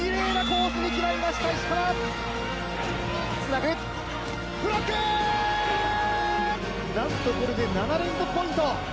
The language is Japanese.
なんとこれで７連続ポイント